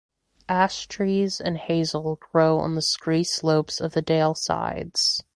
Ash trees and hazel grow on the scree slopes of the dale sides.